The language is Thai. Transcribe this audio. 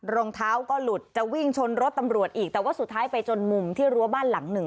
รองเท้าก็หลุดจะวิ่งชนรถตำรวจอีกแต่ว่าสุดท้ายไปจนมุมที่รั้วบ้านหลังหนึ่ง